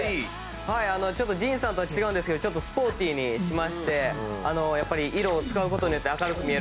ちょっとディーンさんとは違うんですけどちょっとスポーティーにしましてやっぱり色を使う事によって明るく見えるかなと。